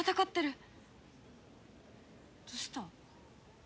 どうした？